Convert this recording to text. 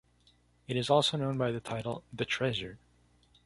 It is also known by the title “The Treasure”.